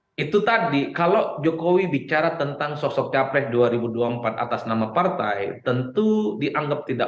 hai itu tadi kalau jokowi bicara tentang sosok capres dua ribu dua puluh empat atas nama partai tentu dianggap tidak